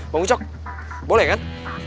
bang ucok boleh kan